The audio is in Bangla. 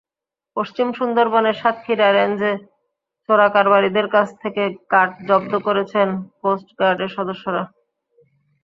পশ্চিম সুন্দরবনের সাতক্ষীরা রেঞ্জে চোরাকারবারিদের কাছ থেকে কাঠ জব্দ করেছেন কোস্টগার্ডের সদস্যরা।